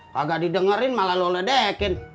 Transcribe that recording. kagak didengerin malah lo ledekin